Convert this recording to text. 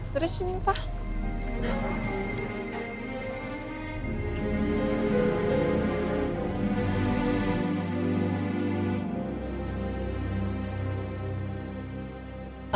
terus ini pak